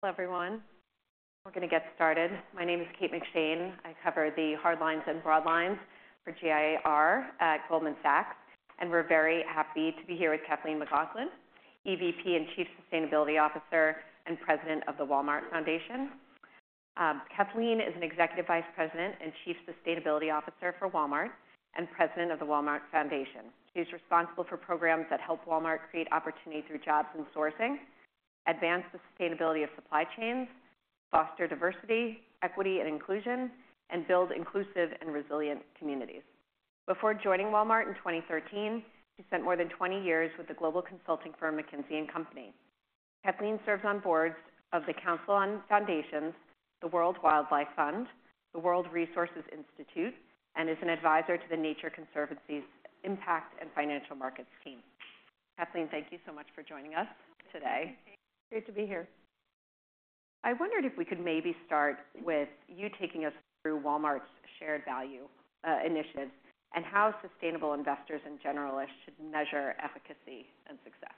Hello, everyone. We're going to get started. My name is Kate McShane. I cover the hard lines and broad lines for retail at Goldman Sachs, and we're very happy to be here with Kathleen McLaughlin, EVP and Chief Sustainability Officer and President of the Walmart Foundation. Kathleen is an Executive Vice President and Chief Sustainability Officer for Walmart and President of the Walmart Foundation. She's responsible for programs that help Walmart create opportunity through jobs and sourcing, advance the sustainability of supply chains, foster diversity, equity, and inclusion, and build inclusive and resilient communities. Before joining Walmart in 2013, she spent more than 20 years with the global consulting firm McKinsey and Company. Kathleen serves on boards of the Council on Foundations, the World Wildlife Fund, the World Resources Institute, and is an advisor to the Nature Conservancy's Impact and Financial Markets team. Kathleen, thank you so much for joining us today. Great to be here. I wondered if we could maybe start with you taking us through Walmart's shared value initiatives, and how sustainable investors in general should measure efficacy and success.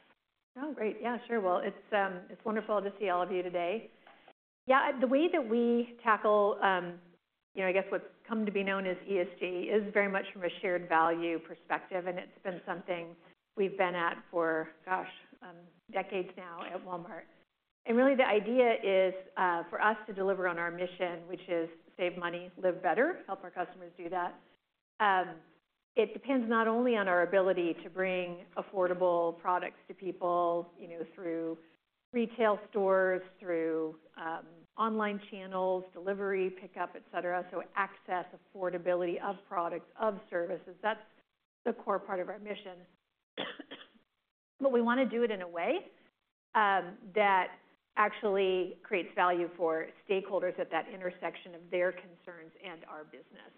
Oh, great. Yeah, sure. Well, it's wonderful to see all of you today. Yeah, the way that we tackle, you know, I guess what's come to be known as ESG is very much from a shared value perspective, and it's been something we've been at for, gosh, decades now at Walmart. And really, the idea is for us to deliver on our mission, which is save money, live better, help our customers do that. It depends not only on our ability to bring affordable products to people, you know, through retail stores, through online channels, delivery, pickup, et cetera. So access, affordability of products, of services, that's the core part of our mission. But we want to do it in a way that actually creates value for stakeholders at that intersection of their concerns and our business.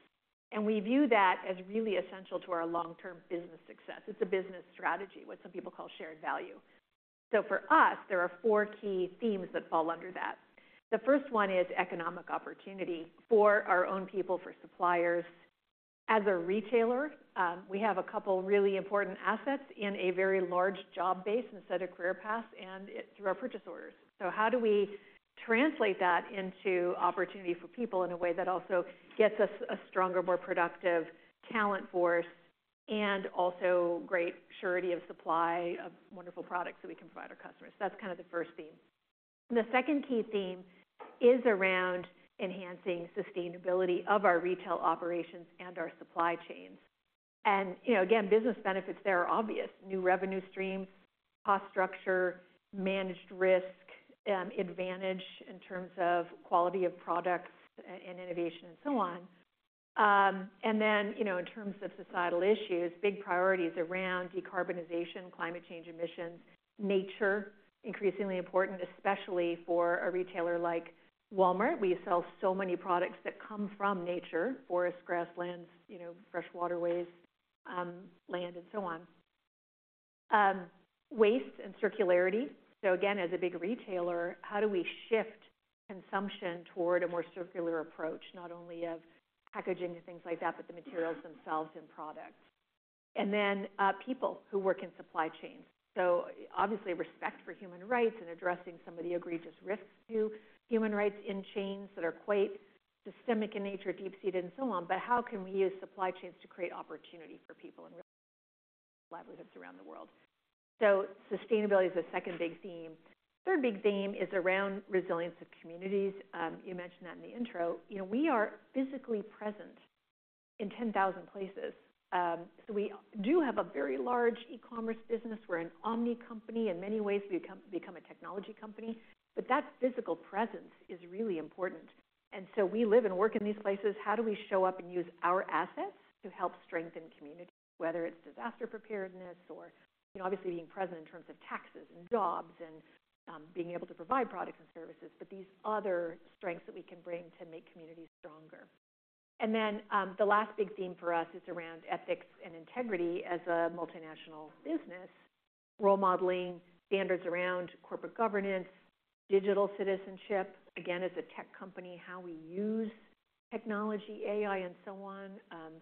We view that as really essential to our long-term business success. It's a business strategy, what some people call shared value. So for us, there are four key themes that fall under that. The first one is economic opportunity for our own people, for suppliers. As a retailer, we have a couple really important assets in a very large job base and set of career paths and it through our purchase orders. So how do we translate that into opportunity for people in a way that also gets us a stronger, more productive talent force, and also great surety of supply of wonderful products that we can provide our customers? That's kind of the first theme. The second key theme is around enhancing sustainability of our retail operations and our supply chains. You know, again, business benefits there are obvious: new revenue streams, cost structure, managed risk, advantage in terms of quality of products and innovation, and so on. Then, you know, in terms of societal issues, big priorities around decarbonization, climate change, emissions, nature, increasingly important, especially for a retailer like Walmart. We sell so many products that come from nature, forests, grasslands, you know, fresh waterways, land, and so on. Waste and circularity. So again, as a big retailer, how do we shift consumption toward a more circular approach, not only of packaging and things like that, but the materials themselves and products? Then, people who work in supply chains. So obviously, respect for human rights and addressing some of the egregious risks to human rights in chains that are quite systemic in nature, deep-seated, and so on. But how can we use supply chains to create opportunity for people and livelihoods around the world? So sustainability is the second big theme. Third big theme is around resilience of communities. You mentioned that in the intro. You know, we are physically present in 10,000 places, so we do have a very large e-commerce business. We're an omni company. In many ways, we've become a technology company, but that physical presence is really important. And so we live and work in these places. How do we show up and use our assets to help strengthen communities, whether it's disaster preparedness or, you know, obviously being present in terms of taxes and jobs and, being able to provide products and services, but these other strengths that we can bring to make communities stronger. And then, the last big theme for us is around ethics and integrity as a multinational business. Role-modeling standards around corporate governance, digital citizenship. Again, as a tech company, how we use technology, AI, and so on.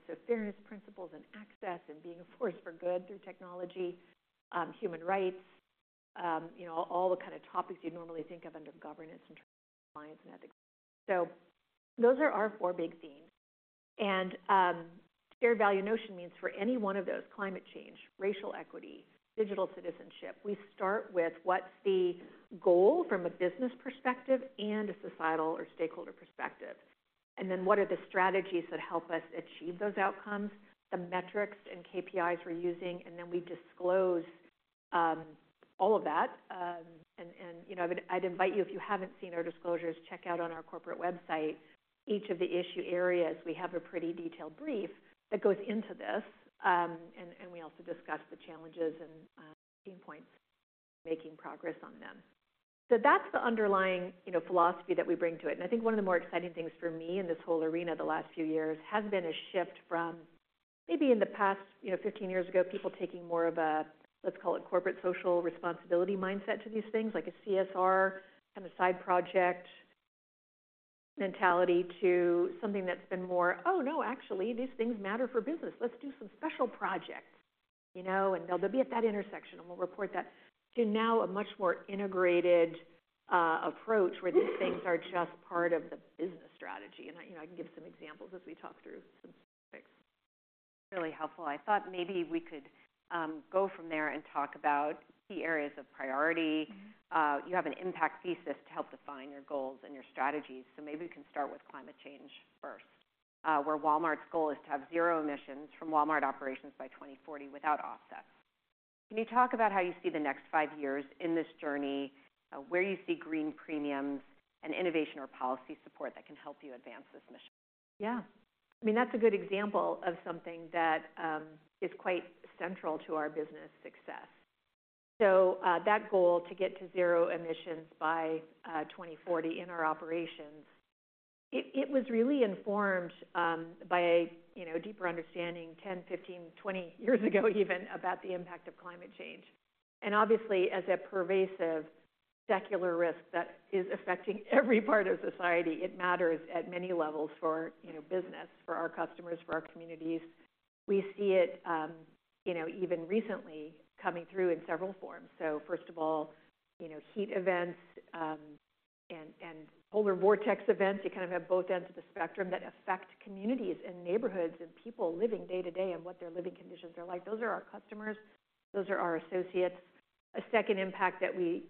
So fairness, principles, and access and being a force for good through technology, human rights, you know, all the kind of topics you'd normally think of under governance in terms of compliance and ethics. So those are our four big themes, and, shared value notion means for any one of those, climate change, racial equity, digital citizenship, we start with what's the goal from a business perspective and a societal or stakeholder perspective, and then what are the strategies that help us achieve those outcomes, the metrics and KPIs we're using, and then we disclose, all of that. You know, I'd invite you, if you haven't seen our disclosures, check out on our corporate website. Each of the issue areas, we have a pretty detailed brief that goes into this, and we also discuss the challenges and pain points making progress on them. So that's the underlying, you know, philosophy that we bring to it. And I think one of the more exciting things for me in this whole arena the last few years has been a shift from maybe in the past, you know, 15 years ago, people taking more of a, let's call it corporate social responsibility mindset to these things, like a CSR kind of side project mentality to something that's been more, "Oh, no, actually, these things matter for business. Let's do some special projects," know, and they'll be at that intersection, and we'll report that to now a much more integrated approach where these things are just part of the business strategy. And, you know, I can give some examples as we talk through some specifics. Really helpful. I thought maybe we could go from there and talk about key areas of priority. Mm-hmm. You have an impact thesis to help define your goals and your strategies, so maybe we can start with climate change first, where Walmart's goal is to have zero emissions from Walmart operations by 2040 without offsets. Can you talk about how you see the next five years in this journey, where you see green premiums and innovation or policy support that can help you advance this mission? Yeah. I mean, that's a good example of something that is quite central to our business success. So, that goal to get to zero emissions by 2040 in our operations, it was really informed by, you know, a deeper understanding 10, 15, 20 years ago even about the impact of climate change. And obviously, as a pervasive, secular risk that is affecting every part of society, it matters at many levels for, you know, business, for our customers, for our communities. We see it, you know, even recently coming through in several forms. So first of all, you know, heat events and polar vortex events, you kind of have both ends of the spectrum that affect communities and neighborhoods and people living day-to-day and what their living conditions are like. Those are our customers, those are our associates. A second impact that we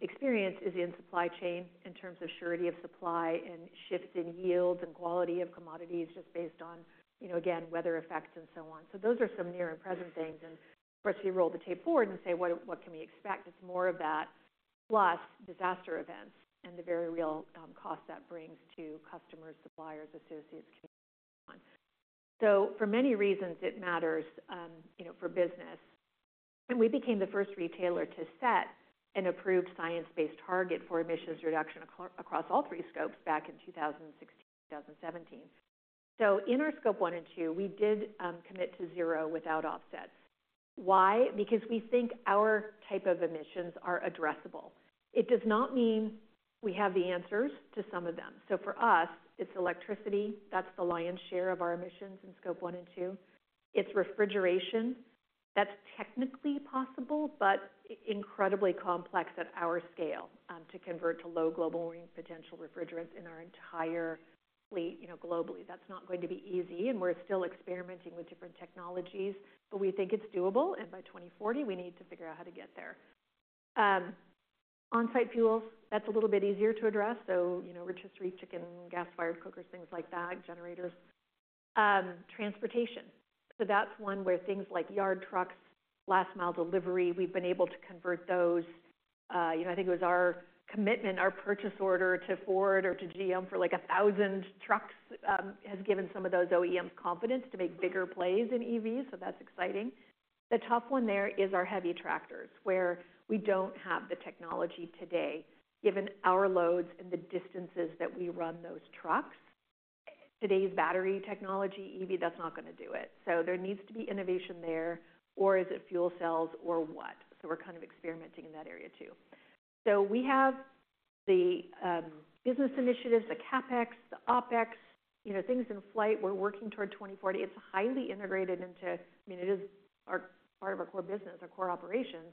experience is in supply chain in terms of surety of supply and shifts in yields and quality of commodities, just based on, you know, again, weather effects and so on. So those are some near and present things, and of course, we roll the tape forward and say, "What can we expect?" It's more of that, plus disaster events and the very real cost that brings to customers, suppliers, associates, communities, and so on. So for many reasons, it matters, you know, for business. And we became the first retailer to set an approved science-based target for emissions reduction across all three Scopes back in 2016-2017. So in our Scope 1 and 2, we did commit to zero without offsets. Why? Because we think our type of emissions are addressable. It does not mean we have the answers to some of them. So for us, it's electricity. That's the lion's share of our emissions in Scope 1 and 2. It's refrigeration. That's technically possible, but incredibly complex at our scale, to convert to low global warming potential refrigerants in our entire fleet, you know, globally. That's not going to be easy, and we're still experimenting with different technologies, but we think it's doable, and by 2040, we need to figure out how to get there. On-site fuels, that's a little bit easier to address. So, you know, rotisserie chicken, gas-fired cookers, things like that, generators. Transportation, so that's one where things like yard trucks, last mile delivery, we've been able to convert those. You know, I think it was our commitment, our purchase order to Ford or to GM for, like, 1,000 trucks, has given some of those OEMs confidence to make bigger plays in EVs, so that's exciting. The tough one there is our heavy tractors, where we don't have the technology today. Given our loads and the distances that we run those trucks, today's battery technology, EV, that's not going to do it. So there needs to be innovation there, or is it fuel cells or what? So we're kind of experimenting in that area too. So we have the business initiatives, the CapEx, the OpEx, you know, things in flight. We're working toward 2040. It's highly integrated into. I mean, it is our, part of our core business, our core operations.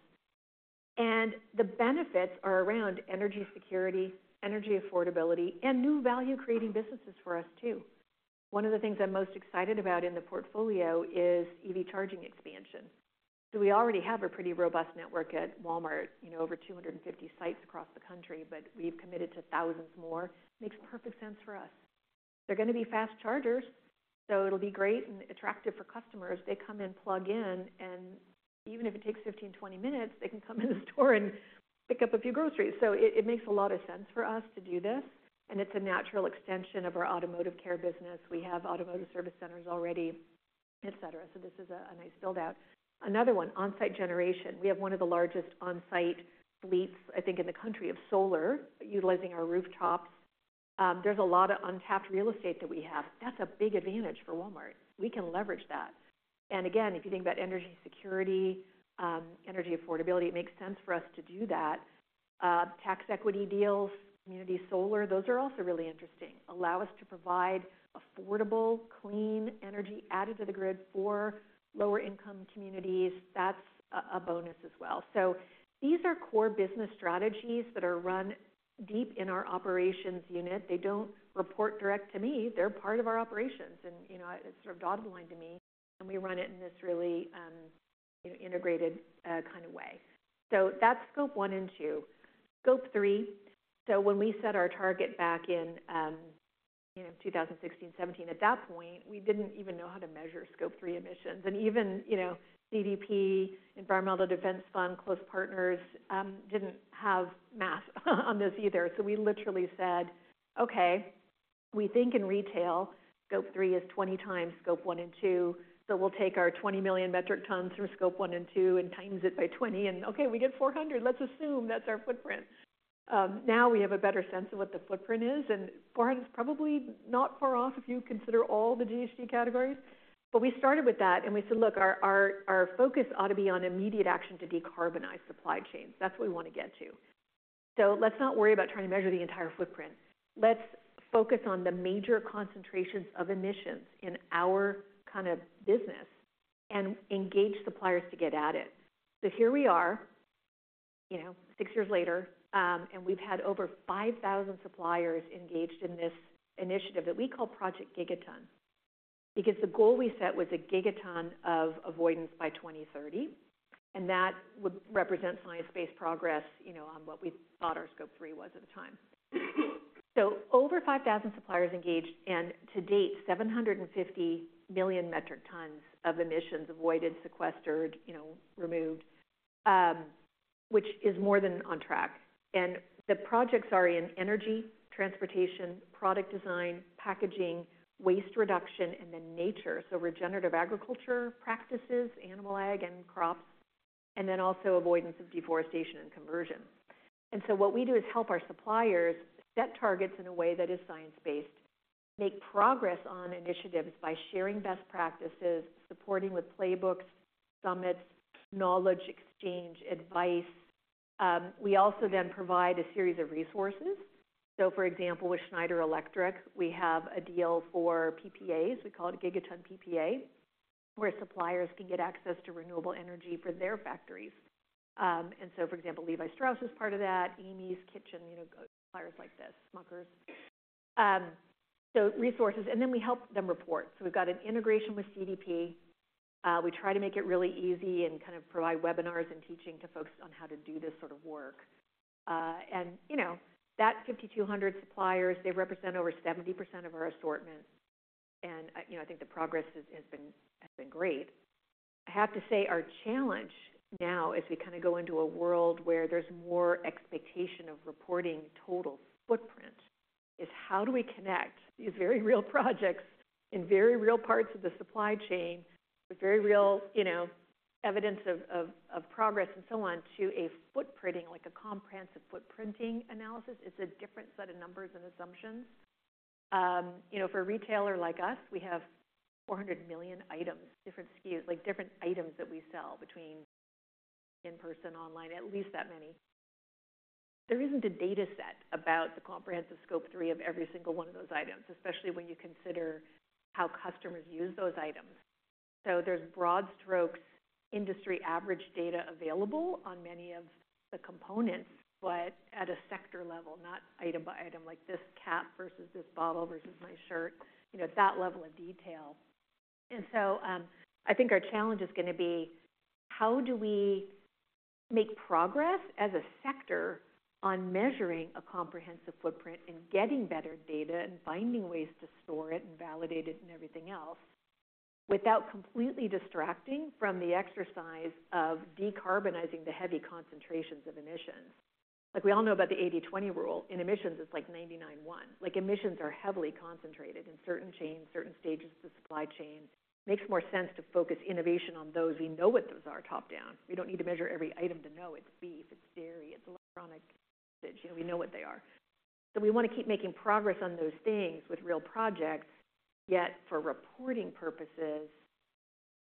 And the benefits are around energy security, energy affordability, and new value-creating businesses for us, too. One of the things I'm most excited about in the portfolio is EV charging expansion. So we already have a pretty robust network at Walmart, you know, over 250 sites across the country, but we've committed to thousands more. Makes perfect sense for us. They're going to be fast chargers, so it'll be great and attractive for customers. They come in, plug in, and even if it takes 15-20 minutes, they can come in the store and pick up a few groceries. So it makes a lot of sense for us to do this, and it's a natural extension of our automotive care business. We have automotive service centers already, et cetera, so this is a nice build-out. Another one, on-site generation. We have one of the largest on-site fleets, I think, in the country of solar, utilizing our rooftops. There's a lot of untapped real estate that we have. That's a big advantage for Walmart. We can leverage that. And again, if you think about energy security, energy affordability, it makes sense for us to do that. Tax equity deals, community solar, those are also really interesting. Allow us to provide affordable, clean energy added to the grid for lower income communities. That's a bonus as well. So these are core business strategies that are run deep in our operations unit. They don't report directly to me. They're part of our operations and, you know, it's sort of dotted line to me, and we run it in this really, integrated, kind of way. So that's Scope 1 and 2. Scope 3, so when we set our target back in, you know, 2016, 2017, at that point, we didn't even know how to measure Scope 3 emissions. And even, you know, CDP, Environmental Defense Fund, close partners, didn't have math on this either. So we literally said: Okay, we think in retail, Scope 3 is 20 times Scope 1 and 2, so we'll take our 20 million metric tons from Scope 1 and 2 and times it by 20, and okay, we get 400. Let's assume that's our footprint. Now we have a better sense of what the footprint is, and 400's probably not far off if you consider all the GHG categories. But we started with that, and we said, "Look, our, our, our focus ought to be on immediate action to decarbonize supply chains. That's what we want to get to." So let's not worry about trying to measure the entire footprint. Let's focus on the major concentrations of emissions in our kind of business and engage suppliers to get at it. So here we are, you know, six years later, and we've had over 5,000 suppliers engaged in this initiative that we call Project Gigaton, because the goal we set was a gigaton of avoidance by 2030, and that would represent science-based progress, you know, on what we thought our Scope 3 was at the time. So over 5,000 suppliers engaged, and to date, 750 million metric tons of emissions avoided, sequestered, you know, removed, which is more than on track. The projects are in energy, transportation, product design, packaging, waste reduction, and then nature, so regenerative agriculture practices, animal, ag, and crops, and then also avoidance of deforestation and conversion. So what we do is help our suppliers set targets in a way that is science-based, make progress on initiatives by sharing best practices, supporting with playbooks, summits, knowledge exchange, advice. We also then provide a series of resources. So, for example, with Schneider Electric, we have a deal for PPAs. We call it Gigaton PPA, where suppliers can get access to renewable energy for their factories. And so, for example, Levi Strauss is part of that, Amy's Kitchen, you know, suppliers like this, Smucker's. So resources, and then we help them report. So we've got an integration with CDP. We try to make it really easy and kind of provide webinars and teaching to folks on how to do this sort of work. And, you know, that 5,200 suppliers, they represent over 70% of our assortment, and, you know, I think the progress has been great. I have to say our challenge now, as we kind of go into a world where there's more expectation of reporting total footprint, is how do we connect these very real projects in very real parts of the supply chain with very real, you know, evidence of progress and so on, to a footprinting, like a comprehensive footprinting analysis? It's a different set of numbers and assumptions. You know, for a retailer like us, we have 400 million items, different SKUs, like, different items that we sell between in-person, online, at least that many. There isn't a data set about the comprehensive Scope 3 of every single one of those items, especially when you consider how customers use those items. So there's broad strokes, industry average data available on many of the components, but at a sector level, not item by item, like this cap versus this bottle versus my shirt, you know, at that level of detail. And so, I think our challenge is going to be: how do we make progress as a sector on measuring a comprehensive footprint and getting better data and finding ways to store it and validate it and everything else, without completely distracting from the exercise of decarbonizing the heavy concentrations of emissions? Like, we all know about the 80/20 rule. In emissions, it's like 99/1. Like, emissions are heavily concentrated in certain chains, certain stages of the supply chain. Makes more sense to focus innovation on those. We know what those are, top-down. We don't need to measure every item to know it's beef, it's dairy, it's electronic, you know, we know what they are. So we want to keep making progress on those things with real projects. Yet for reporting purposes,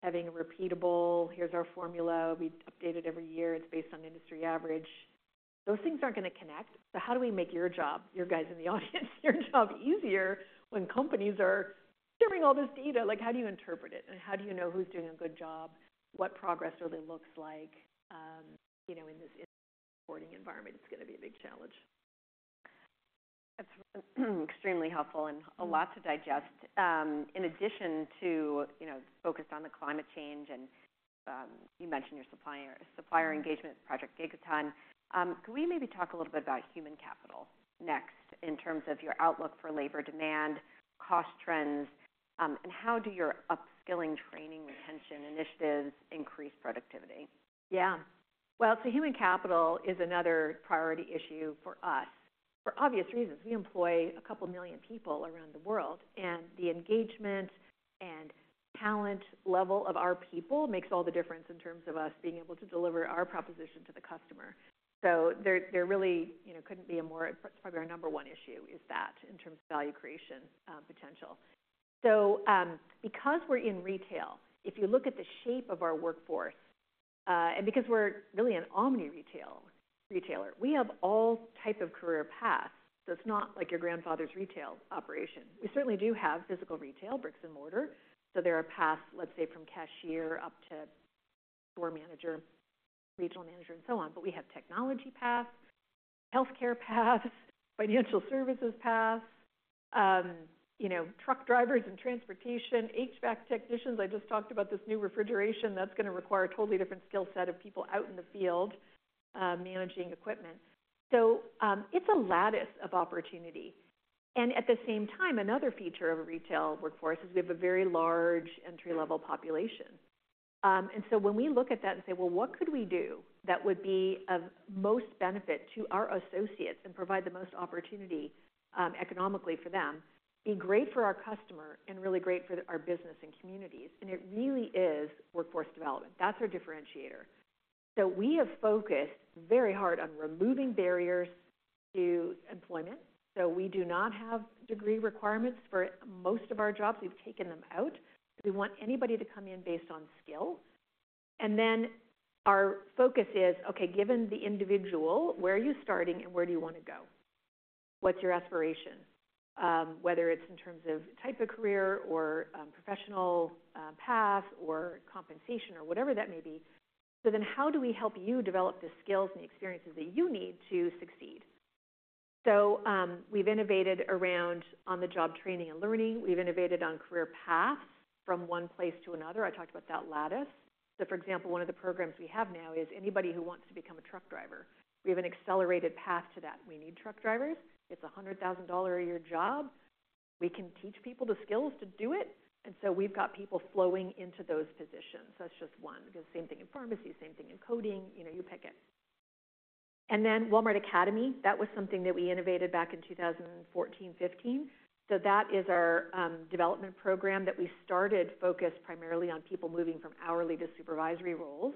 having repeatable, "Here's our formula. We update it every year. It's based on industry average," those things aren't going to connect. So how do we make your job, you guys in the audience, your job easier when companies are sharing all this data? Like, how do you interpret it, and how do you know who's doing a good job, what progress really looks like, you know, in this reporting environment is going to be a big challenge. That's extremely helpful and a lot to digest. In addition to, you know, focused on the climate change and, you mentioned your supplier engagement, Project Gigaton, could we maybe talk a little bit about human capital next, in terms of your outlook for labor demand, cost trends, and how do your upskilling, training, retention initiatives increase productivity? Yeah. Well, so human capital is another priority issue for us for obvious reasons. We employ a couple million people around the world, and the engagement and talent level of our people makes all the difference in terms of us being able to deliver our proposition to the customer. So there, there really, you know, couldn't be a more-- probably our number one issue is that in terms of value creation, potential. So, because we're in retail, if you look at the shape of our workforce, and because we're really an omni retail- retailer, we have all type of career paths, so it's not like your grandfather's retail operation. We certainly do have physical retail, bricks-and-mortar, so there are paths, let's say, from cashier up to store manager, regional manager, and so on. But we have technology paths, healthcare paths, financial services paths, you know, truck drivers and transportation, HVAC technicians. I just talked about this new refrigeration that's going to require a totally different skill set of people out in the field, managing equipment. So, it's a lattice of opportunity. And at the same time, another feature of a retail workforce is we have a very large entry-level population. And so when we look at that and say, "Well, what could we do that would be of most benefit to our associates and provide the most opportunity, economically for them, be great for our customer and really great for our business and communities?" And it really is workforce development. That's our differentiator. So we have focused very hard on removing barriers to employment. So we do not have degree requirements for most of our jobs. We've taken them out. We want anybody to come in based on skill... And then our focus is, okay, given the individual, where are you starting and where do you want to go? What's your aspiration? Whether it's in terms of type of career or, professional, path or compensation or whatever that may be. So then how do we help you develop the skills and the experiences that you need to succeed? So, we've innovated around on-the-job training and learning. We've innovated on career paths from one place to another. I talked about that lattice. So for example, one of the programs we have now is anybody who wants to become a truck driver, we have an accelerated path to that. We need truck drivers. It's a $100,000-a-year job. We can teach people the skills to do it, and so we've got people flowing into those positions. That's just one. Because same thing in pharmacy, same thing in coding, you know, you pick it. And then Walmart Academy, that was something that we innovated back in 2014-15. So that is our development program that we started, focused primarily on people moving from hourly to supervisory roles,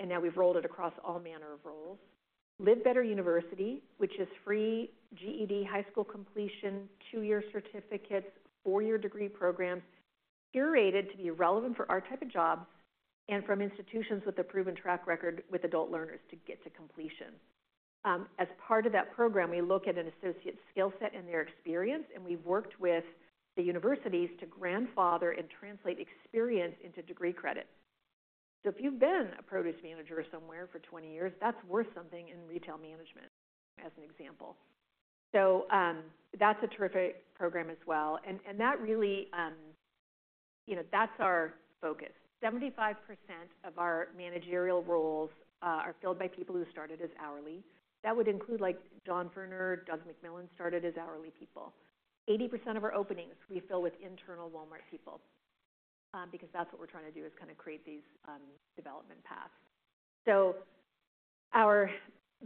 and now we've rolled it across all manner of roles. Live Better University, which is free GED, high school completion, two-year certificates, four-year degree programs, curated to be relevant for our type of jobs and from institutions with a proven track record with adult learners to get to completion. As part of that program, we look at an associate's skill set and their experience, and we've worked with the universities to grandfather and translate experience into degree credit. So if you've been a produce manager somewhere for 20 years, that's worth something in retail management, as an example. So, that's a terrific program as well, and, and that really, you know, that's our focus. 75% of our managerial roles are filled by people who started as hourly. That would include, like, John Furner, Doug McMillon started as hourly people. 80% of our openings we fill with internal Walmart people, because that's what we're trying to do, is kind of create these development paths. So our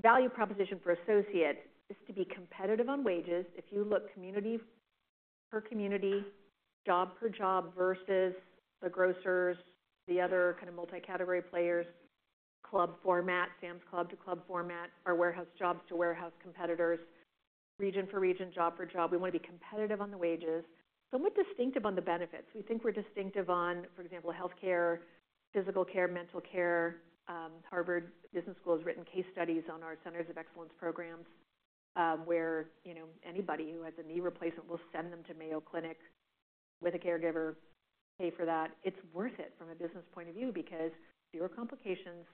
value proposition for associates is to be competitive on wages. If you look community per community, job per job, versus the grocers, the other kind of multi-category players, club format, Sam's Club to club format, our warehouse jobs to warehouse competitors, region for region, job for job, we want to be competitive on the wages, but we're distinctive on the benefits. We think we're distinctive on, for example, healthcare, physical care, mental care. Harvard Business School has written case studies on our Centers of Excellence programs, where, you know, anybody who has a knee replacement, we'll send them to Mayo Clinic with a caregiver, pay for that. It's worth it from a business point of view because fewer complications,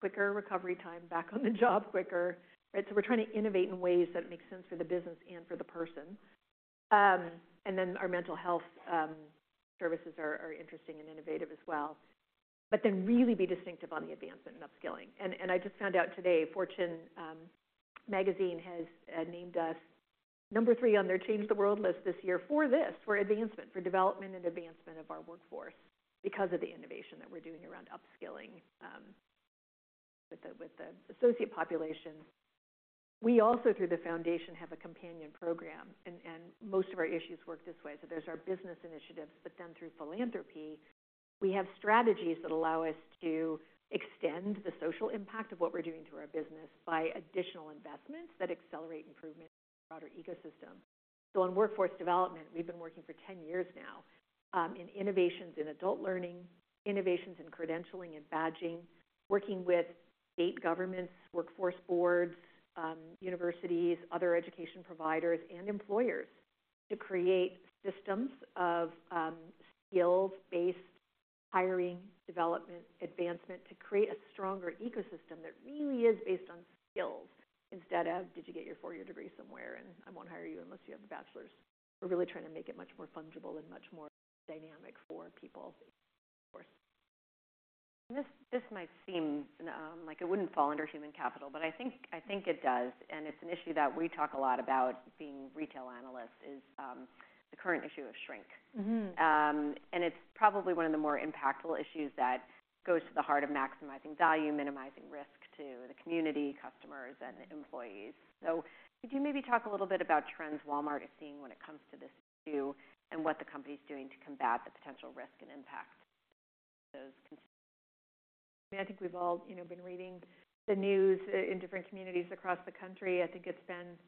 quicker recovery time, back on the job quicker, right? So we're trying to innovate in ways that make sense for the business and for the person. And then our mental health services are interesting and innovative as well. But then really be distinctive on the advancement and upskilling. And I just found out today, Fortune Magazine has named us number three on their Change the World list this year for this, for advancement, for development and advancement of our workforce because of the innovation that we're doing around upskilling with the associate population. We also, through the foundation, have a companion program, and most of our initiatives work this way. So there's our business initiatives, but then through philanthropy, we have strategies that allow us to extend the social impact of what we're doing through our business by additional investments that accelerate improvement in the broader ecosystem. In workforce development, we've been working for 10 years now, in innovations in adult learning, innovations in credentialing and badging, working with state governments, workforce boards, universities, other education providers, and employers to create systems of, skills-based hiring, development, advancement to create a stronger ecosystem that really is based on skills instead of, "Did you get your four-year degree somewhere?" And, "I won't hire you unless you have a bachelor's." We're really trying to make it much more fungible and much more dynamic for people, of course. This, this might seem like it wouldn't fall under human capital, but I think, I think it does, and it's an issue that we talk a lot about being retail analysts, is the current issue of shrink. Mm-hmm. It's probably one of the more impactful issues that goes to the heart of maximizing value, minimizing risk to the community, customers, and employees. Could you maybe talk a little bit about trends Walmart is seeing when it comes to this issue and what the company is doing to combat the potential risk and impact those concerns? I think we've all, you know, been reading the news in different communities across the country. I think it's been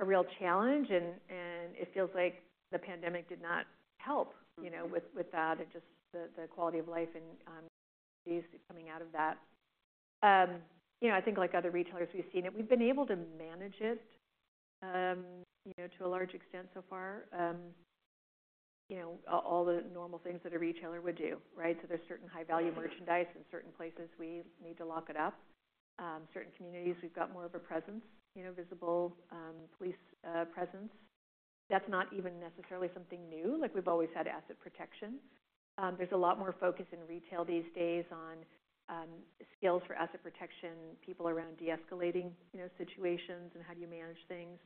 a real challenge, and it feels like the pandemic did not help. Mm-hmm. You know, with that and just the quality of life and coming out of that. You know, I think like other retailers, we've seen it. We've been able to manage it, you know, to a large extent so far. You know, all the normal things that a retailer would do, right? So there's certain high-value merchandise- Mm-hmm. In certain places, we need to lock it up. Certain communities, we've got more of a presence, you know, visible, police, presence. That's not even necessarily something new, like, we've always had asset protection. There's a lot more focus in retail these days on, skills for asset protection, people around de-escalating, you know, situations and how do you manage things.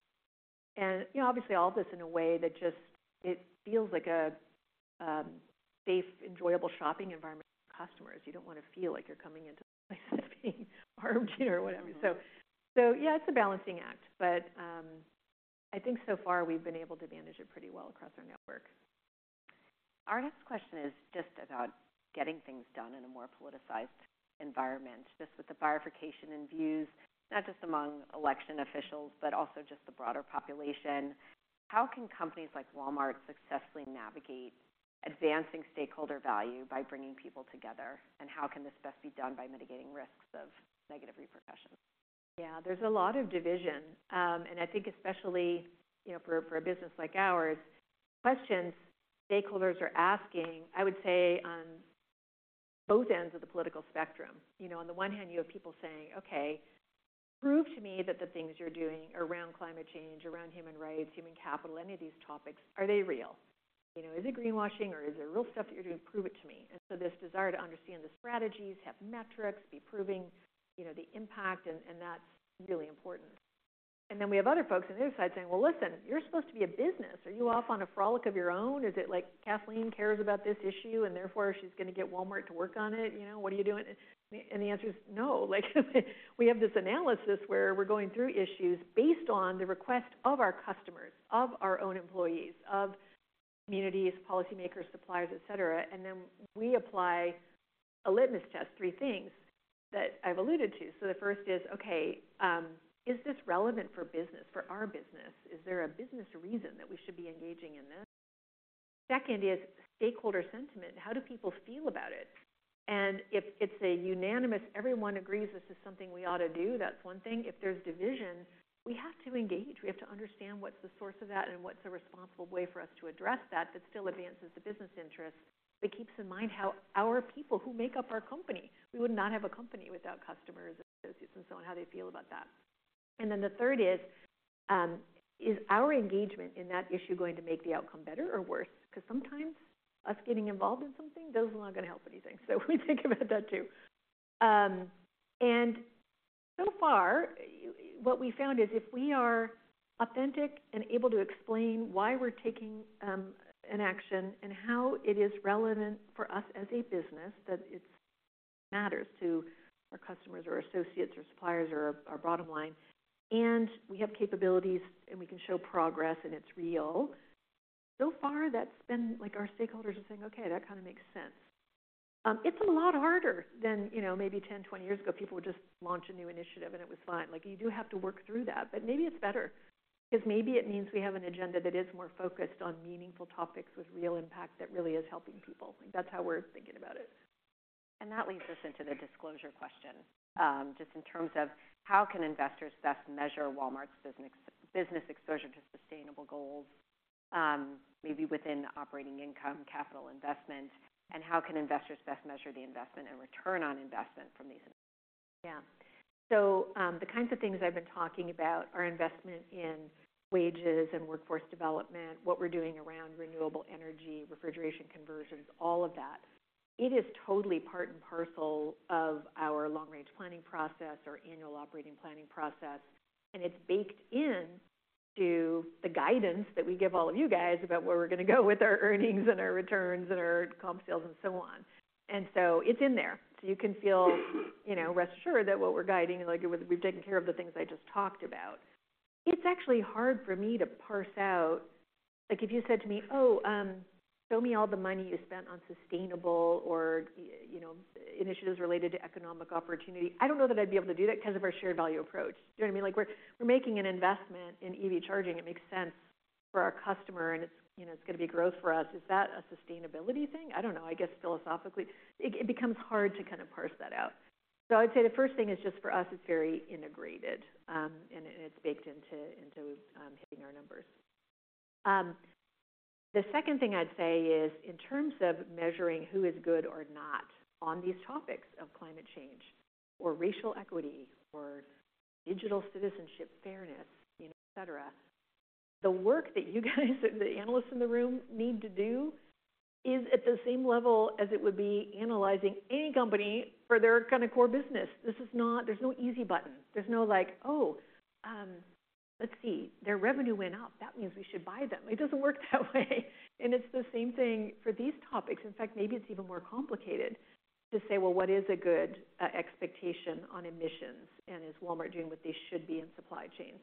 And, you know, obviously all of this in a way that just, it feels like a, safe, enjoyable shopping environment for customers. You don't want to feel like you're coming into a place that's being armed or whatever. So, so yeah, it's a balancing act, but, I think so far we've been able to manage it pretty well across our network. Our next question is just about getting things done in a more politicized environment, just with the bifurcation and views, not just among election officials, but also just the broader population. How can companies like Walmart successfully navigate advancing stakeholder value by bringing people together? And how can this best be done by mitigating risks of negative repercussions? Yeah, there's a lot of division, and I think especially, you know, for, for a business like ours, questions stakeholders are asking, I would say on both ends of the political spectrum. You know, on the one hand, you have people saying: "Okay, prove to me that the things you're doing around climate change, around human rights, human capital, any of these topics, are they real? You know, is it greenwashing or is it real stuff that you're doing? Prove it to me." And so this desire to understand the strategies, have metrics, be proving, you know, the impact, and, and that's really important. And then we have other folks on the other side saying: "Well, listen, you're supposed to be a business. Are you off on a frolic of your own? Is it like Kathleen cares about this issue, and therefore she's going to get Walmart to work on it? You know, what are you doing?" And the answer is no. Like, we have this analysis where we're going through issues based on the request of our customers, of our own employees, of communities, policymakers, suppliers, et cetera, and then we apply a litmus test, three things that I've alluded to. So the first is, okay, is this relevant for business, for our business? Is there a business reason that we should be engaging in this? Second is stakeholder sentiment. How do people feel about it? And if it's a unanimous, everyone agrees this is something we ought to do, that's one thing. If there's division, we have to engage. We have to understand what's the source of that and what's a responsible way for us to address that, that still advances the business interest, but keeps in mind how our people who make up our company, we would not have a company without customers, associates, and so on, how they feel about that. And then the third is, is our engagement in that issue going to make the outcome better or worse? Because sometimes us getting involved in something, those are not going to help anything. So we think about that too. So far, what we found is if we are authentic and able to explain why we're taking an action and how it is relevant for us as a business, that it matters to our customers or associates or suppliers or our bottom line, and we have capabilities and we can show progress and it's real, so far that's been like our stakeholders are saying, "Okay, that kind of makes sense." It's a lot harder than, you know, maybe 10, 20 years ago, people would just launch a new initiative and it was fine. Like, you do have to work through that, but maybe it's better because maybe it means we have an agenda that is more focused on meaningful topics with real impact that really is helping people. That's how we're thinking about it. That leads us into the disclosure question. Just in terms of how can investors best measure Walmart's business ex-business exposure to sustainable goals, maybe within operating income, capital investment, and how can investors best measure the investment and return on investment from these? Yeah. So, the kinds of things I've been talking about are investment in wages and workforce development, what we're doing around renewable energy, refrigeration conversions, all of that. It is totally part and parcel of our long-range planning process, our annual operating planning process, and it's baked in to the guidance that we give all of you guys about where we're going to go with our earnings and our returns and our comp sales and so on. And so it's in there. So you can feel, you know, rest assured that what we're guiding, like, we've taken care of the things I just talked about. It's actually hard for me to parse out... Like, if you said to me, "Oh, show me all the money you spent on sustainable or, you know, initiatives related to economic opportunity," I don't know that I'd be able to do that because of our shared value approach. Do you know what I mean? Like, we're, we're making an investment in EV charging. It makes sense for our customer, and it's, you know, it's going to be growth for us. Is that a sustainability thing? I don't know. I guess philosophically, it, it becomes hard to kind of parse that out. So I'd say the first thing is just for us, it's very integrated, and it's baked into, into, hitting our numbers. The second thing I'd say is in terms of measuring who is good or not on these topics of climate change or racial equity or digital citizenship, fairness, et cetera, the work that you guys, the analysts in the room, need to do is at the same level as it would be analyzing any company for their kind of core business. This is not. There's no easy button. There's no like: Oh, let's see, their revenue went up. That means we should buy them. It doesn't work that way. And it's the same thing for these topics. In fact, maybe it's even more complicated to say, well, what is a good expectation on emissions, and is Walmart doing what they should be in supply chains?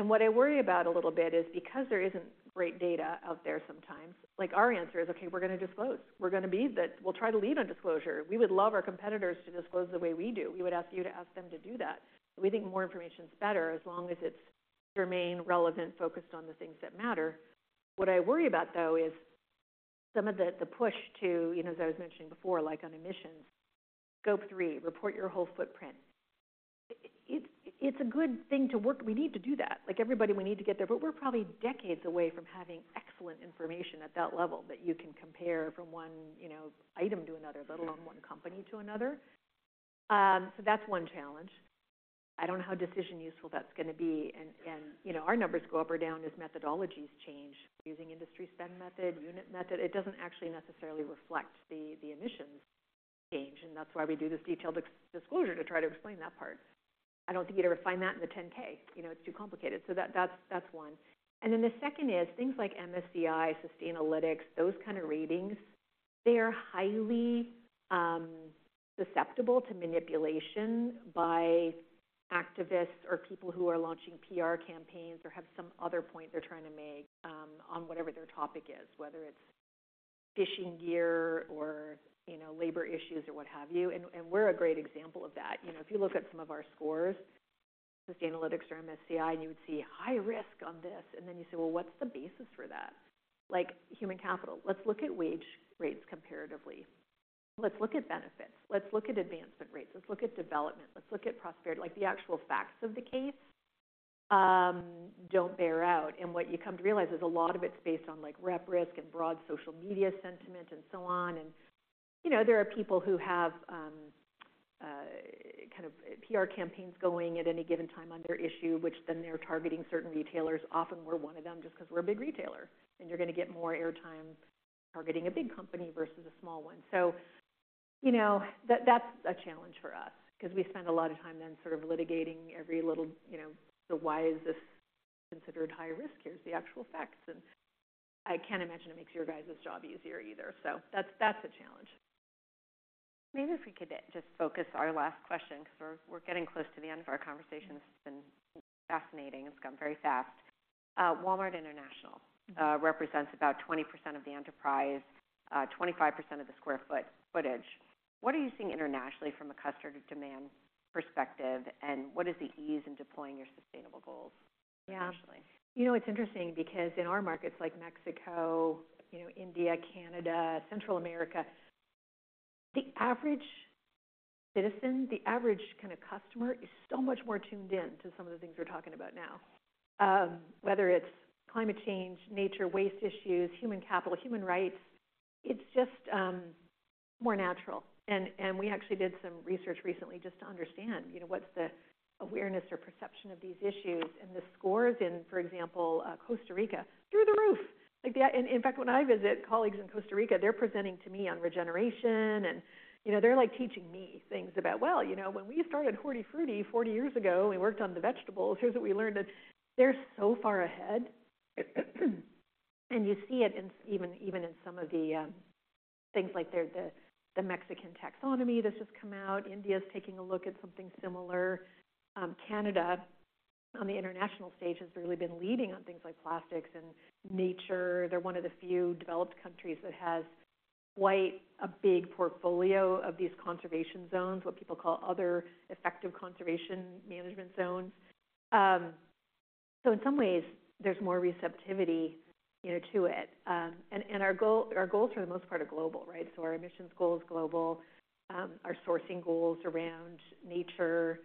What I worry about a little bit is because there isn't great data out there sometimes, like our answer is, "Okay, we're going to disclose. We're going to be the-- We'll try to lead on disclosure." We would love our competitors to disclose the way we do. We would ask you to ask them to do that. We think more information is better as long as it remains relevant, focused on the things that matter. What I worry about, though, is some of the push to, you know, as I was mentioning before, like on emissions, Scope 3, report your whole footprint. It's a good thing to work-- We need to do that. Like, everybody, we need to get there, but we're probably decades away from having excellent information at that level that you can compare from one, you know, item to another, let alone one company to another. So that's one challenge. I don't know how decision useful that's going to be, and, you know, our numbers go up or down as methodologies change, using industry spend method, unit method. It doesn't actually necessarily reflect the emissions change, and that's why we do this detailed disclosure to try to explain that part. I don't think you'd ever find that in the 10-K. You know, it's too complicated. So that's one. And then the second is things like MSCI, Sustainalytics, those kind of ratings. They are highly susceptible to manipulation by activists or people who are launching PR campaigns or have some other point they're trying to make on whatever their topic is, whether it's fishing gear or, you know, labor issues or what have you, and we're a great example of that. You know, if you look at some of our scores, Sustainalytics or MSCI, and you would see high risk on this, and then you say, "Well, what's the basis for that?" Like human capital. Let's look at wage rates comparatively. Let's look at benefits. Let's look at advancement rates. Let's look at development. Let's look at prosperity. Like, the actual facts of the case don't bear out, and what you come to realize is a lot of it's based on, like, RepRisk and broad social media sentiment and so on. And, you know, there are people who have kind of PR campaigns going at any given time on their issue, which then they're targeting certain retailers. Often we're one of them just 'cause we're a big retailer, and you're gonna get more airtime targeting a big company versus a small one. So, you know, that, that's a challenge for us 'cause we spend a lot of time then sort of litigating every little, you know, "So why is this considered high risk? Here's the actual facts." And I can't imagine it makes your guys' job easier either, so that's, that's a challenge. Maybe if we could just focus our last question, 'cause we're getting close to the end of our conversation. This has been fascinating. It's gone very fast. Walmart International- Mm-hmm. represents about 20% of the enterprise, 25% of the square footage. What are you seeing internationally from a customer demand perspective, and what is the ease in deploying your sustainable goals internationally? Yeah. You know, it's interesting because in our markets, like Mexico, you know, India, Canada, Central America, the average citizen, the average kind of customer, is so much more tuned in to some of the things we're talking about now. Whether it's climate change, nature, waste issues, human capital, human rights, it's just more natural. And, and we actually did some research recently just to understand, you know, what's the awareness or perception of these issues, and the scores in, for example, Costa Rica, through the roof! Like, and in fact, when I visit colleagues in Costa Rica, they're presenting to me on regeneration and, you know, they're, like, teaching me things about, "Well, you know, when we started Hortifruti 40 years ago, and we worked on the vegetables, here's what we learned," and they're so far ahead. You see it in even in some of the things like the Mexican taxonomy that's just come out. India's taking a look at something similar. Canada, on the international stage, has really been leading on things like plastics and nature. They're one of the few developed countries that has quite a big portfolio of these conservation zones, what people call other effective conservation management zones. So in some ways, there's more receptivity, you know, to it. And our goals for the most part are global, right? So our emissions goal is global. Our sourcing goals around nature,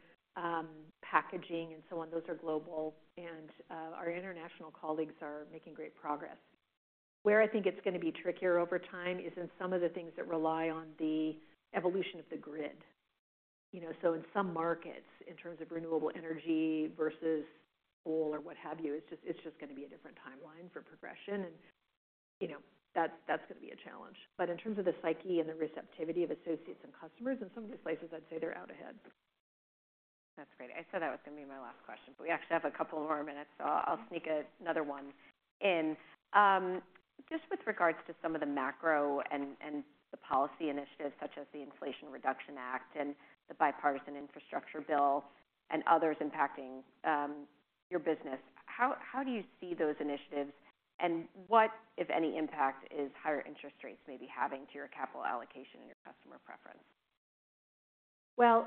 packaging and so on, those are global. And our international colleagues are making great progress. Where I think it's gonna be trickier over time is in some of the things that rely on the evolution of the grid. You know, so in some markets, in terms of renewable energy versus coal or what have you, it's just, it's just gonna be a different timeline for progression and, you know, that's, that's gonna be a challenge. But in terms of the psyche and the receptivity of associates and customers, in some of these places, I'd say they're out ahead. That's great. I said that was gonna be my last question, but we actually have a couple more minutes, so I'll sneak another one in. Just with regards to some of the macro and the policy initiatives, such as the Inflation Reduction Act and the Bipartisan Infrastructure Bill and others impacting your business, how do you see those initiatives, and what, if any, impact is higher interest rates may be having to your capital allocation and your customer preference? Well,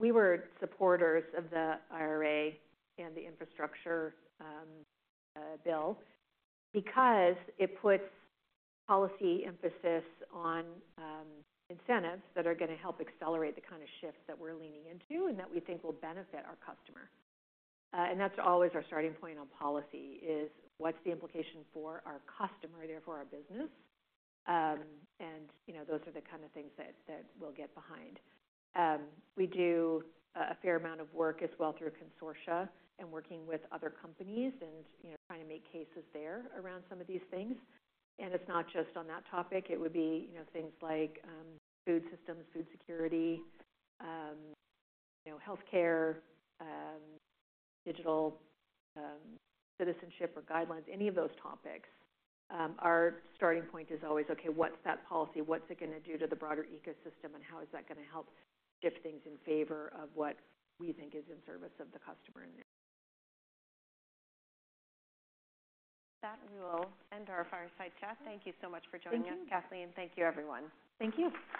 we were supporters of the IRA and the infrastructure bill because it puts policy emphasis on incentives that are gonna help accelerate the kind of shift that we're leaning into and that we think will benefit our customer. And that's always our starting point on policy is: What's the implication for our customer, therefore our business? And, you know, those are the kind of things that we'll get behind. We do a fair amount of work as well through consortia and working with other companies and, you know, trying to make cases there around some of these things. And it's not just on that topic. It would be, you know, things like food systems, food security, you know, healthcare, digital citizenship or guidelines, any of those topics. Our starting point is always: Okay, what's that policy? What's it gonna do to the broader ecosystem, and how is that gonna help shift things in favor of what we think is in service of the customer and the- That we will end our fireside chat. Thank you so much for joining us- Thank you. Kathleen, thank you, everyone. Thank you.